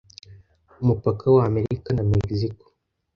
umupaka w'Amerika na Mexico.